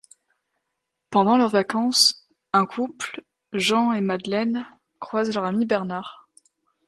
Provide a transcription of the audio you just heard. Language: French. Pendant leurs vacances, un couple, Jean et Madeleine, croisent leur ami Bernard.